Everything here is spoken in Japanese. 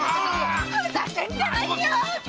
ふざけるんじゃないよ！